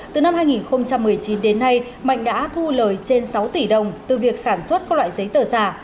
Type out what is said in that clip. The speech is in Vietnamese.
từ năm hai nghìn một mươi chín đến nay mạnh đã thu lời trên sáu tỷ đồng từ việc sản xuất các loại giấy tờ giả